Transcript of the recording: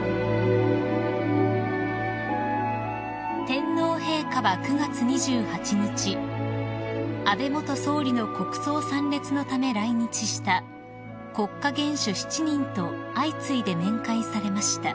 ［天皇陛下は９月２８日安倍元総理の国葬参列のため来日した国家元首７人と相次いで面会されました］